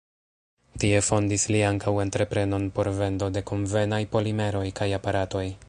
Tie fondis li ankaŭ entreprenon por vendo de konvenaj polimeroj kaj aparatoj.